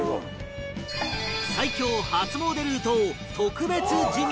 最強初詣ルートを特別授業！